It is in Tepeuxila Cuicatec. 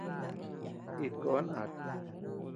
It koon at.